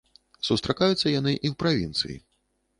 Сустракаюцца яны і ў правінцыі.